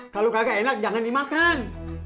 kalau kagak enak jangan dimakan